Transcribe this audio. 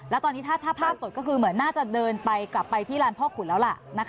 แล้วตอนนี้ถ้าภาพสดก็คือเหมือนน่าจะเดินไปกลับไปที่ลานพ่อขุนแล้วล่ะ